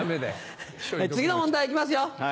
次の問題行きますよ。